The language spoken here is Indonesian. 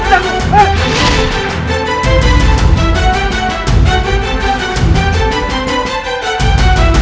coba lihat pedangmu